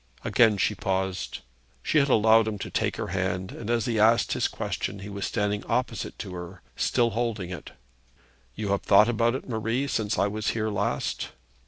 Again she paused. She had allowed him to take her hand, and as he thus asked his question he was standing opposite to her, still holding it. 'You have thought about it, Marie, since I was here last?'